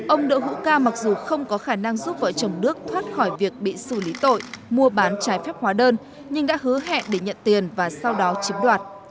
ông đỗ hữu ca mặc dù không có khả năng giúp vợ chồng đức thoát khỏi việc bị xử lý tội mua bán trái phép hóa đơn nhưng đã hứa hẹn để nhận tiền và sau đó chiếm đoạt